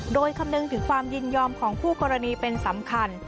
โดยคำนึงถึงความยินยอมของคู่กรณีเป็นสำคัญ